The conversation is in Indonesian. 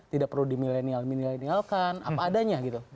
tidak perlu di milenial milenialkan apa adanya gitu